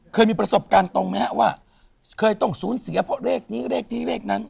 เคยมีประสบการณ์ตรงไหมฮะว่าเคยต้องสูญเสียเพราะเลขนี้เลขนี้เลขนั้น